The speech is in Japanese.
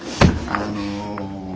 あの。